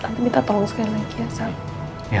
tante minta tolong sekali lagi ya sam